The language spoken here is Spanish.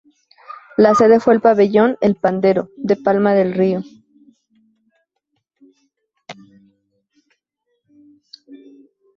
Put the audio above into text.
La sede fue el pabellón "El Pandero" de Palma del Río.